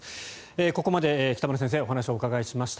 ここまで北村先生にお話をお伺いしました。